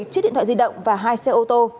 một chiếc điện thoại di động và hai xe ô tô